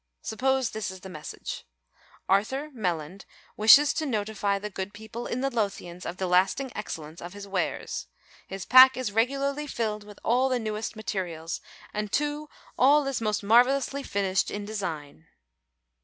Suppose this is the message, "Arthur Melland wishes to notifie the good people in the Lothians of the lasting excellence of his wares. His pack is regularly filled with all the newest materials and, too, all is most marvellously finished in design.